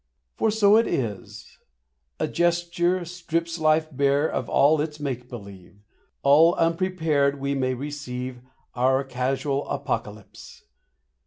For so it is; a gesture strips Life bare of all its make believe. All unprepared we may receive Our casual apocalypse.